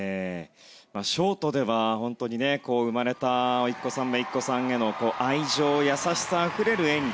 ショートでは本当に生まれたおいっ子さんめいっ子さんへの愛情、優しさあふれる演技。